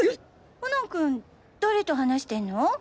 コナン君誰と話してんの？